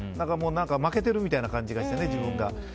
負けてるみたいな感じがして自分が。